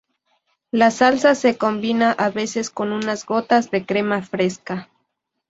La salsa se combina a veces con unas gotas de crema fresca.